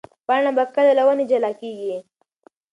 پاڼه به کله له ونې جلا کېږي؟